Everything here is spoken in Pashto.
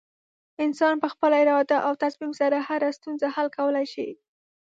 انسان په خپله اراده او تصمیم سره هره ستونزه حل کولی شي.